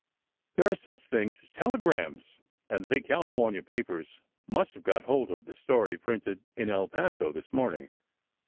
"There are such things as telegrams. And the big California papers must have got hold of the story printed in El Paso this morning.